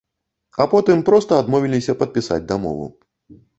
А потым проста адмовіліся падпісаць дамову.